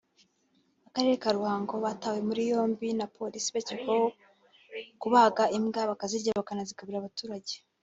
akarere ka Ruhango batawe muri yombi na polisi bakekwaho kubaga imbwa bakazirya bakanazigaburira abaturage